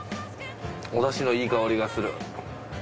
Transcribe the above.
お出汁のいい香りがする。